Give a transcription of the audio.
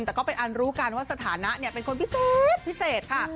แต่ก็เป็นอันรู้กันว่าสถานะเป็นคนพิเศษพิเศษค่ะ